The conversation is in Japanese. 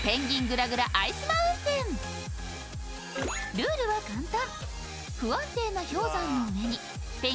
ルールは簡単。